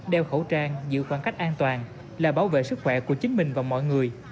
đeo khẩu trang giữ khoảng cách an toàn là bảo vệ sức khỏe của chính mình và mọi người